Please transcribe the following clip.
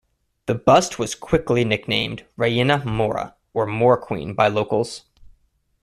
The bust was quickly nicknamed "Reina Mora" or "Moor Queen" by locals.